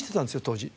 当時。